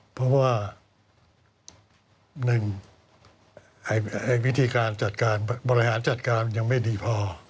เพราะว่า๑วิธีการจัดการบริหารจัดการยังไม่ดีพอ